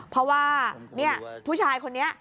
เพราะว่าผู้ชายคนนี้